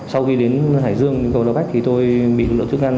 sau khi đến hải dương cầu đào bách thì tôi bị đội thức ăn bắt giữ tại cầu đào bách